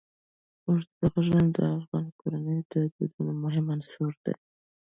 اوږده غرونه د افغان کورنیو د دودونو مهم عنصر دی.